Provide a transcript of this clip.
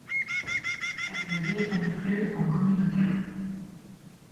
Elles ne vivent donc plus en communauté.